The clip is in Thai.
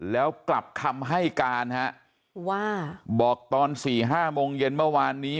แล้วกลับคำให้การฮะว่าบอกตอน๔๕โมงเย็นเมื่อวานนี้